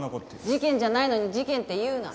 事件じゃないのに「事件」って言うな。